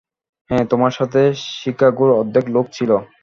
হ্যাঁ, তোমার সাথে শিকাগোর অর্ধেক লোক ছিল।